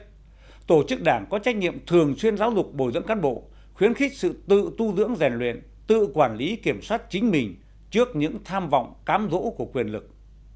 đồng thời tổ chức đảng có trách nhiệm thường xuyên giáo dục bồi dẫn cán bộ khuyến khích sự tự tu dưỡng rèn luyện tự quản lý kiểm soát chính mình trước những tham vọng cắm rỗ của quyền lực